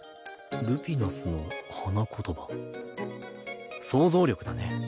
ルピナスの花言葉「想像力」だね。